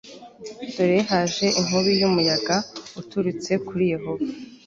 dore haje inkubi y;umuyaga uturutse kuri yehova